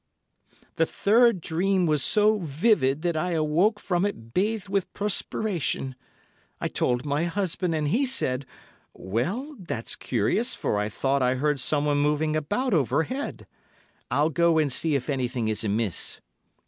"The third dream was so vivid that I awoke from it bathed with perspiration. I told my husband, and he said, 'Well, that's curious, for I thought I heard someone moving about overhead. I'll go and see if anything is amiss.